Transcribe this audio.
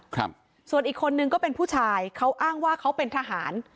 ครับส่วนอีกคนนึงก็เป็นผู้ชายเขาอ้างว่าเขาเป็นทหาร